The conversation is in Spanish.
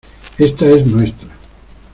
esta es nuestra.